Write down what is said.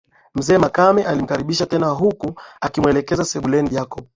Mzee Makame alimkaribisha tena huku akimuelekezea sebuleni Jacob